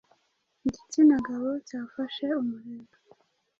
igitsina gabo cyafashe umurego